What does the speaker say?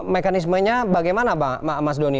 mekanismenya bagaimana mas doni